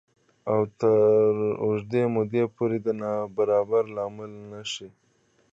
او تر اوږدې مودې پورې د نابرابرۍ لامل نه شي